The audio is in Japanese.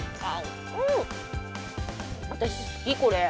私、好きこれ。